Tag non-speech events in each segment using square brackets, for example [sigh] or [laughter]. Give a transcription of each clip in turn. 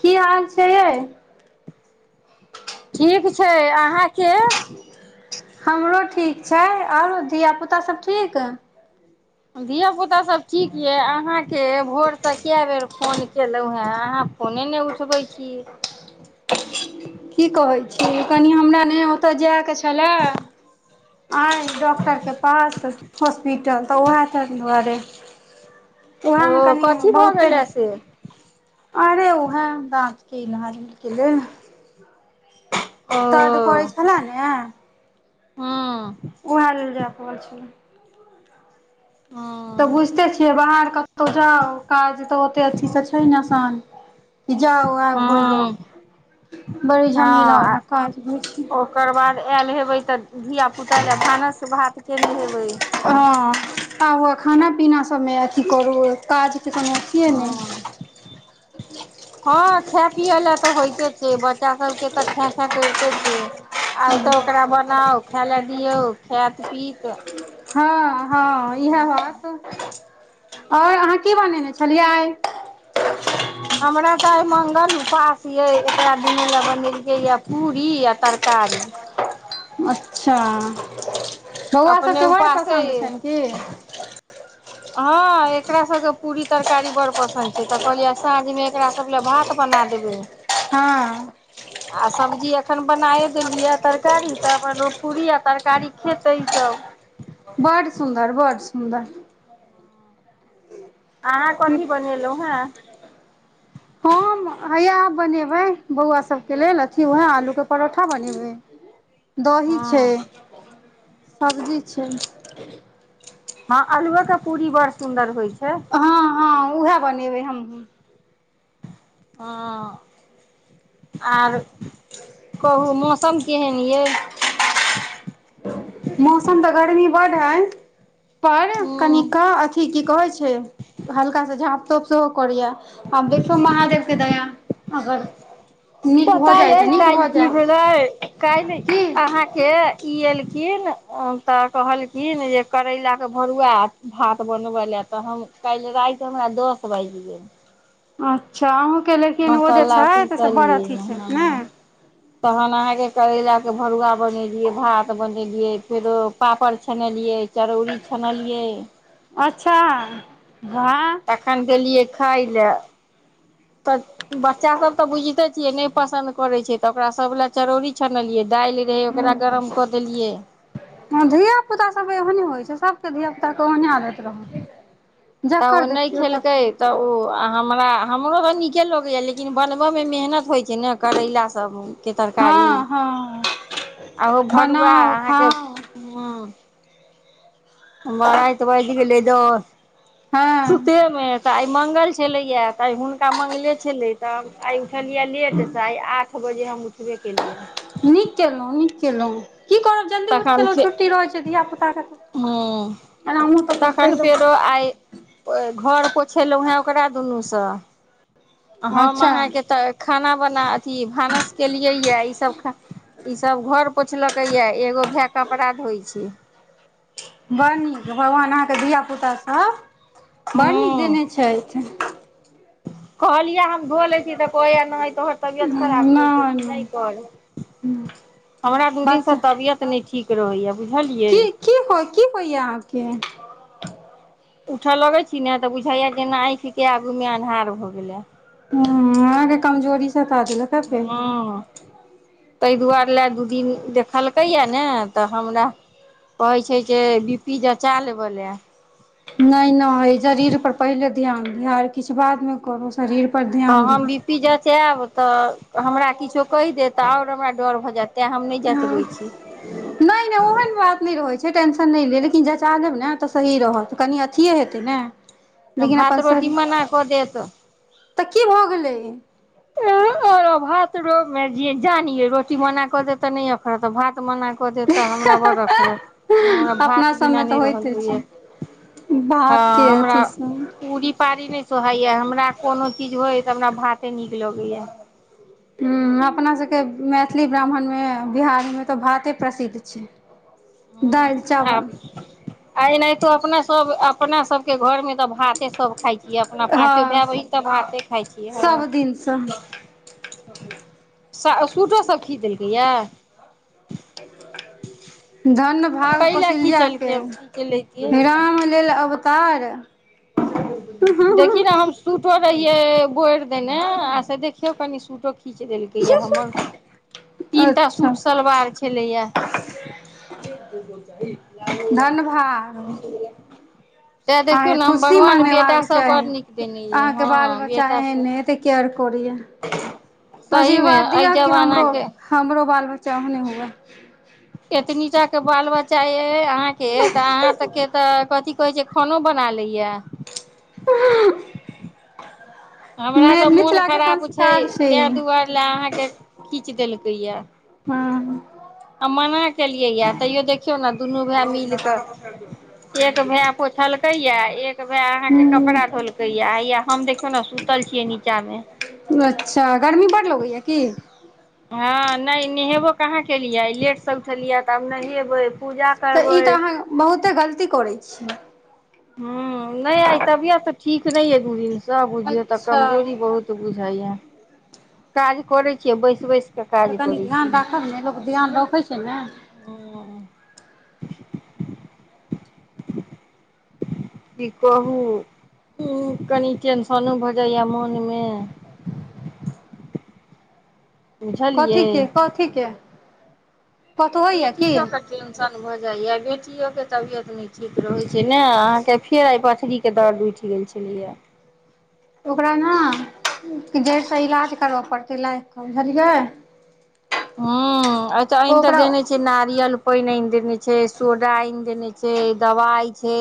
की हाल से आा ठीक छै अहाँके हमरो ठीक छै और धियापुता सब ठीक धियापुता सब ठीक यऽ अहाँ के भोरसे कै बेर फोन केलौं है आहां फोने नहि उठबै छियै की कहै छी कनि हमरा ने ओतऽ जायके छलैय आइ डॉक्टरके पास हॉस्पिटल तऽ ओएह सब दुआरे ओ उएहमे कनि कथी भ बहुते गेलह से अरे ओहे बात की नाज क ले ने ओ दर्द करै छला ने हूं उएह लेल जाय पड़ै छलै तऽ हँ बुझिते छियै बाहर कतहु जाउ काज तऽ ओते अथी से छैई ने असान की जाउ आउ होई हँ जैत बड़ी झमीला हँ बला काज हो छै ओकर बाद आयल हेबै तऽ धियापुता लए भानस भात केने हेबै हँ आउ खाना पीना सभमे अथी करू काज हं हँ खाय पियै लए तऽ होइते छै बच्चा सभके तऽ खै खै करिते छै आउ तऽ ओकरा बनाउ खाय लए दियौ खायत पीत हँ हँ इएह हैत और अहाँ की बनेने छलियै आइ सब मंगल हुं उपास यै एकरा दुनू ले बने या पूरी या तरकारी अच्छा बौआ अपने सभकेँ बड़ उपासे पसन्द ये छनि की हँ एकरा सबकेँ पूरी तरकारी बड़ पसन्द छैक तऽ कहलियै साँझमे एकरासभ लए भात बना देबय हँ आ सब्जी अखन बनाय देलियै तरकारी तऽ अपन पूरी आ तरकारी खेतय ई सब बड् सुन्दर बड़ सुन्दर बह [inaudible] अहाँ कथि बनेलहुँ हाँ हम हैया आब बनेबय बौआ सबकेँ लेल वएह आलू केँ परोठा बनेबय दही हँ छैक सब्जी छैक हँ अलुओ केँ पूरी बड़ सुन्दर होइ छैक। हँ [inaudible] उएह बनेबय हमहुँ। हँ आर कहू मौसम केहन अछि। मौसम तऽ गर्मी बडड् अछि। पर हूँ कनिकेँ हल्का से झाँपू सबसँ [inaudible] करिया आ देखियो महादेवकेँ दया अगर नीक पता भऽ जाय तऽ अछि नीक काल्हि भऽ की जाय भेलैक काल्हि की अहाँ के ई अयलथिन। खिन तऽ कहलखिन जे करैलाकेँ भरुआ आ भात बनबय लए तऽ काल्हि राति हमरा दस बाजि गेल। अच्छा अहुकेँ लेकिन ओ जे मसाला छैत से बड़ पीसलियै अथी छैथ ने हँ तहन अहाँके करैला केँ भरुआ बनेलियै भात बनेलियै फेरो पापड़ छनेलियै चरौरी छनलियै अच्छा वाह तखन गेलिय खाय लय तऽ बच्चा सब तऽ बुझिते छियैक नहि पसन्द करै छैक तऽ ओकरा सब लए चरौरी छनलियै दालि रहय ओकरा गरम कऽ देलियै धिया पुता सब ओहने होइ छै सबके धिया पुता केँ ओहने आदैत रहय तऽ ओ नहि खेलकय तऽ ओ हमरा हमरो तऽ नीके लगे अछि लेकिन बनबय मे मेहनत होइत छैक। जे ने करैला सभकेँ तरकारी हँ हँ आ ओहो भरुआ बनाउ अहाँके खाउ राइत बाइज गेलैक दस हँ सुते हमै [inaudible] तऽ आइ मंगल छलैक तऽ आइ हुनका मंगले छलैक तऽ आइ उठलियै लेटसँ आइ आठ बजे हम उठबे केलियै नीक केलहुँ नीक केलहुँ की करब जल्दी उठि तखन गेलहुँ फे छुट्टी रहै छै धिया पुताके ह एनाहु तऽ करतै तखन लोक फेरो आइ घर पोछेलहुँ हेँ ओकरा दुनूसँ हम अच्छा अहाँके तऽ खाना बना अथी भानस केलियै यऽ ई सब ख ई सब घर पोछलक या एगो भाय कपरा धोइ छै के धियापुतासभ ह बड़ नीक देने छथि कहलियै हम धोलै छी तऽ कहै या नै तोहर तबियत खराब छौ त तू नहि कर हमरा दू दिन से बच्चा तबियत नहि ठीक फरोहिए की की हो की होइया आहाँके उठऽ लगे छी ने तऽ बुझाइया जे न आँखिके आगू मे अन्हार भऽ गेले हॅं अहाँके कमजोरी सब ख द ल क फे हँ ताहि दुआरे लए दू दिन देख खलकैया ने तऽ हमरा कहै छै जे बी पी जँचा लेब ल नहि न जरीर पर पहिले ध्यान दिह किछु बाद मे कर शरीरपर ध्यान दिऔ ताब तऽ हमरा किछो कहि देत तऽ आओर हमरा डर भऽ जायत तेँ हम नहि जँचबै छी नहि नहि ओहन बात नहि रहै छै टेंश नहि लेब लेकिन जचा लेब ने तऽ सही रहत कनि अथियए हेतै ने लेकिन भात अपन रोटी शरीर मना कऽ देत तऽ की भऽ गेलै भात र मे जान अइ रोटी मना क देत त ने‌ अखरत भात मना क देत हमरा बड़‌ अखरत हमरा अपना भात बिना सबमे नहि तऽ रहल होइते जायै छै भातके हमरा अथीसँ हूँ पूरी पाड़ी नहि सोहायै हमरा कोनो चीज होइ हमरा भाते नीक लगयै हूँ अपनासँ मैथिली ब्राह्मण मे बिहारमे तऽ भाते प्रसिद्ध छै दालि ह चावल आ आइ तो अपना सब अपना सबके घरमे सब भाते सब खाइ छै अपना पाँचो हँ भाय बहीन त भात खाइ छियै सब दिनसँ हँ सा सूटोसभ खीच देलकैए धन्य भाग कौशल्या खीचलकै के हम खीच लैतियै राम लेल अवतार देखि ने हम सूट सूटो रहिये बोर देने आ से देखियो कनि सूटो खीच देलकैए हमर तीनटा सूट अच्छा सलवार छलैयै धन्य भाग अहाँके खुशी मनेबाक बड़ चाही नीक देने अइ अहाँके बाल हँ बच्चा एहन बेटासभ हेते केयर करयया सहीमे आशीर्वाद एहि दिय कि हमरो जमानाके हमरो बाल बच्चा चाह नहि हुअ एतनीटा के बाल बच्चा ए अहाँ के त अहाँ सके त कहै छै खानो बनाय लैया हमरा तऽ मोन मिथिलाके खराब छै संस्कार ई ताहि दुआरे लए अहाँके खींच देलकै या हँ आ मना केलियै या तैयो देखियौ न दुनू भाय मिल क एक भाय पोछलकै या एक भाय अहा के कपड़ा हूँ धोलकै या आया हम देखियौ ने सुतल छियै नीचा मे अच्छा गर्मी बड्ड लगैय के हँ नहि नहेबो कहाँ केलियै लेटसँ उठेलियै तऽ आब नहेबै पूजा तऽ ई तऽ करबै अहाँ बहुते गलती करै छी हँ नहि आइ तबियत ठीक नहि य हुँ सब बुझियऔ तऽ अच्छा कमजोरी बहुत बुझाइया काज करै छियै बैस बैस कऽ तऽ काज कनि करै ध्यान छियै राखब ने लोक ध्यान रखै छै ने की कहू उ कनि टेंशनो भऽ जाइया मोनमे कथी बुझलियै के कथी के कतहु होइया बेटी की लऽ कऽ टेंशन भऽ जाइय बेटी इओके तबियत नहि ठीक रहै छै ने अहाँके फेर आइ पथरीके दर्द उठि गेल छलियै या ओकरा न कि जड़िसँ इलाज करबय पड़तै लागि कऽ बुझलियै ह अचछा अइन तऽ ओकरा देने छै नारियल पानि आनि देने छै सोडा आनि देने छै दवाई छै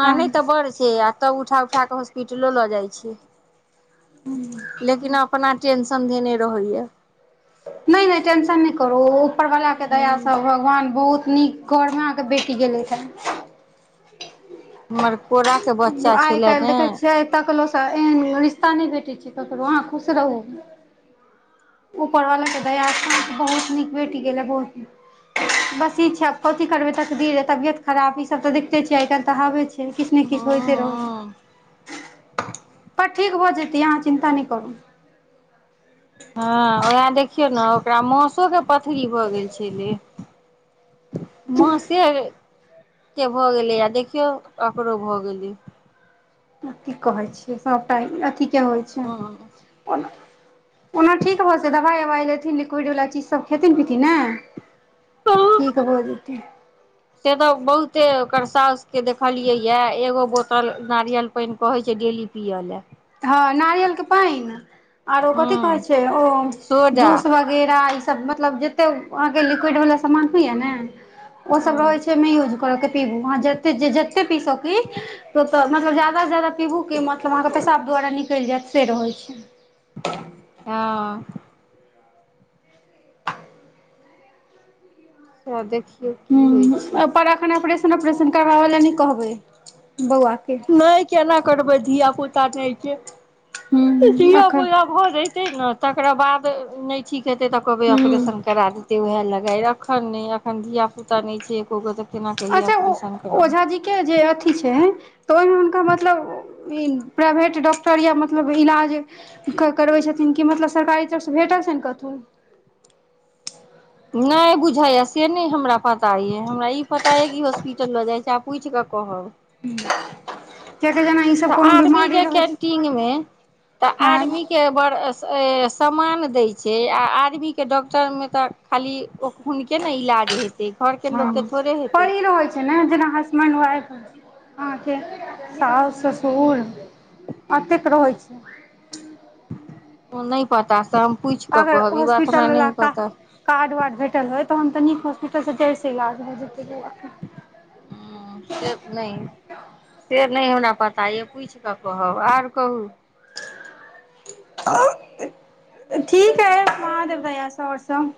हँ तऽ बड़ छैक त उठा -उठा कऽ हॉस्पिटलो लऽ जाइत छैक लेकिन अपना टेंशन धेने रहैत अछि।। नहि नहि टेन्शन नहि करू उपर वला केँ दया सँ हमर भगवान बहुत नीक घरमे अहाँके बेटी गेलैथ हँ। [unintelligible] आइ छलै काल्हि ने देखय छियैक आ तकलो सँ एहन रिश्ता नहि भेटैत अछि। ककरो अहाँ खुश रहू उपर वाला केँ दयासँ बहुत नीक भेट गेल कथी करबय तकदीर तबियत खराब ई सब त देखते छियैक आइ काल्हि तऽ हाबा बहय छैक। हूँ किछ होइते रहैत हूँ छैक। पर ठीक भऽ जेतय अहाँ चिन्ता नहि करू। हँ ओह देख [unintelligible] देखियौ न ओकरा मौसो केँ पथरी भऽ गेल छलैक मौसे भऽ गेलय आ देखियौ ओकरो भऽ गेलय। की कहय छियैक सभटा केँ होइ हूँ छैक ओना ओना ठीक भ जेतै दवाइ उवाइ लेथिन लिक्विड वला चीजसभ खेथिन पीथिन ने ठीक भय जेतय‌। थि [inaudible] एकर सासु केँ देखलियै या एगो बोतल नारियल पानि कहैय छैक डेली पियऽ लेय। हँ नारियलकेँ पानि आरो कथि कहैय हँ छैक ओ सोडा जूस वगेरह मतलब जतेक अहाँके लिक्विड वला सामान होइत अछि ने ओ सब हँ रहैत छैक यूज मे कोलक [inaudible] पीबू आहाँ जते पी सकी मतलब ज्यादा सँ ज्यादा पीबू की मतलब आहाकेँ पेसाब द्वारा निकलि जायत से रहै छैक हँ अ देख हं पर एखन अप [unintelligible] ऑपरेशन करबाबय लए नहि कहबैक नहि केना करबै धियापूता ता नै के हूँ एखन धीयापूता भऽ जैते ने तकरा बाद त नहि ठीक जेते त कहबै हूँ ऑपरेशन करा देते वएह लै गाय अखन नहि एखन धियपुता नहि छै एको गो केना कहियै अच्छा ऑपरेशन ओ करबै ओझाजी के जे अथी छै तऽ ओहिमे मतलब पेन प्राइवेट डॉक्टर या मतलब इलाज करबै छथिन कि मतलब सरकारी तरफसँ भेटल छनि कतहु नहि बुझाइए से नहि हमरा पता यइ हमरा ई पता यइ कि हॉस्पिटल लऽ जाइत छी आ पूछि कऽ कहब ह तऽ आर्मी के कैंटीन मे तऽ आर्मी हँ के बड़ समान दै छै आ आदमीके डॉक्टरमे तऽ खाली हुनके ने इलाज हेतै घरके ह लोकके थोड़े हेतै पढ़ी रहै छै ने जेना हसबैंड वाइफ अहाँके साउस ससुर एतेक रहै छै ओ नहि पता सब अगर हॉस्पिटल बला कार्ड वाड भेटल होईत तह त निक हॉस्पिटल से जैॅच त ईलाज भ जेतई बउआ के से पताये पूछि कऽ कहब आर कहू आ ठीक अई महादेव दया स सभ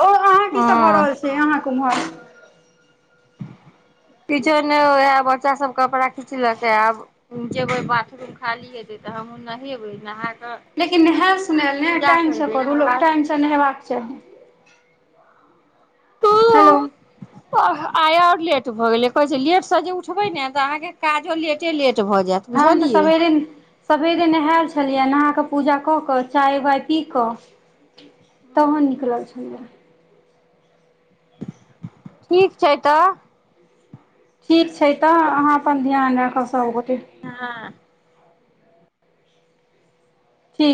ओ अहाँ की सब भऽ हँ रहल छै अहाँ कुम्हर किछु नई ओहा बच्चा सब कपड़ा पुचलकै आब जेबै बाथरूम खाली हेतै तऽ हमहूँ नहेबै नहा कऽ लेकिन नहायल सुनायल नहि पूजा टाइमसँ करबै करू ओकर लोक बाद टाइमसँ नहेबाक चाही हेलो ओह आई और लेट भऽ गेले कहे लेट से जे उठबे ने त अहा के काजो लेटे लेट भऽ जायत हम तऽ बुझलियै सबेरे सबेरे नेहेल छलियै नहा के पूजा कऽ कऽ चाय वाय पी कऽ तहन निकलल छलियई ठीक छै तऽ ठीक छै छै तऽ अहाँ अपन ध्यान राख हँसाऊ हँ ठीक